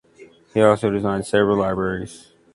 He also designed several libraries.